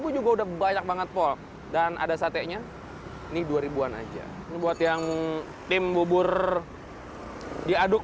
lima belas juga udah banyak banget pol dan ada sate nya nih dua ribu an aja buat yang tim bubur diaduk